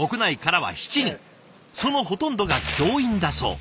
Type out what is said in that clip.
そのほとんどが教員だそう。